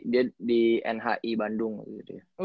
dia di nhi bandung gitu ya